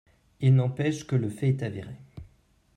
Il n’empêche que le fait est avéré.